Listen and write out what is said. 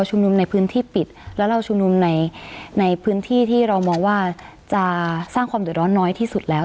จะสร้างความโดยร้อนน้อยที่สุดแล้ว